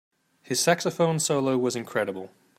His saxophone solo was incredible.